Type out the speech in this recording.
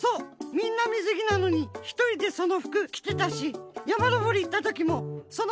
みんなみずぎなのにひとりでその服きてたしやまのぼりいったときもその服だったし。